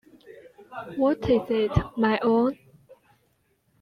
What is it, my own?